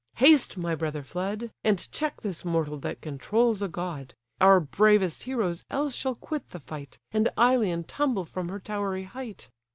"Haste, my brother flood; And check this mortal that controls a god; Our bravest heroes else shall quit the fight, And Ilion tumble from her towery height.